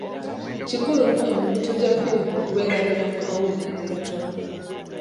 Kikulu nnyo emikutu gya ffirimu okubeera ne bannamawulire abeebitone.